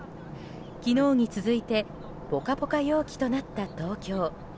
昨日に続いてポカポカ陽気となった東京。